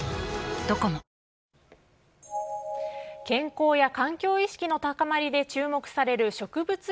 健康や環境意識の高まりで注目される植物